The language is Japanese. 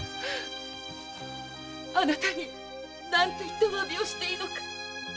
あなたに何て言って詫びをしていいのか。